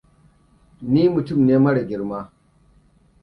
Ni mutum ne mara girma.